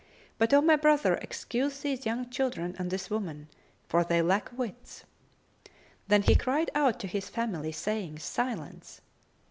But, O my brother, excuse these young children and this woman, for they lack wits." Then he cried out to his family, saying, "Silence!"